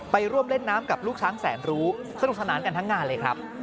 ไปร่วมเล่นน้ำกับลูกช้างแสนรู้สนุกสนานกันทั้งงานเลยครับ